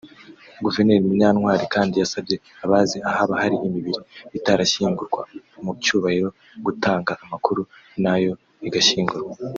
Guverineri Munyantwari kandi yasabye abazi ahaba hari imibiri itarashyingurwa mu cyubahiro gutanga amakuru nayo igashyingurwa